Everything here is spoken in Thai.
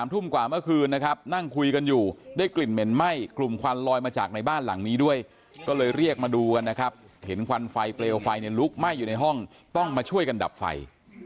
ทุ่มกว่าเมื่อคืนนะครับนั่งคุยกันอยู่ได้กลิ่นเหม็นไหม้กลุ่มควันลอยมาจากในบ้านหลังนี้ด้วยก็เลยเรียกมาดูกันนะครับเห็นควันไฟเปลวไฟเนี่ยลุกไหม้อยู่ในห้องต้องมาช่วยกันดับไฟ